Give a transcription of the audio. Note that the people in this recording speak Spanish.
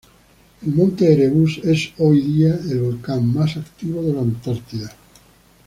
El monte Erebus es hoy día el volcán más activo de la Antártida.